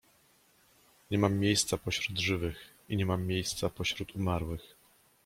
Nie mam miejsca pośród żywych i nie mam miejsca pośród umarłych…